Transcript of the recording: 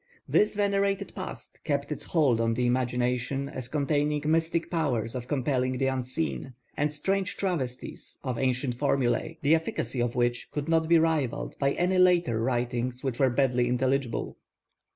This venerated past kept its hold on the imagination as containing mystic powers of compelling the unseen, and strange travesties of ancient formulae, the efficacy of which could not be rivalled by any later writings which were baldly intelligible.